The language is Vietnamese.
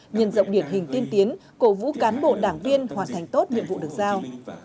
nhận rộng điển hình tiên tiến cố vũ cán bộ đảng viên hoàn thành tốt nhiệm vụ được giao